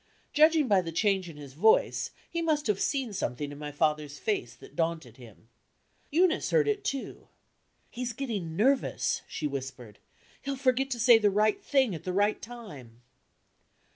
Judging by the change in his voice, he must have seen something in my father's face that daunted him. Eunice heard it, too. "He's getting nervous," she whispered; "he'll forget to say the right thing at the right time."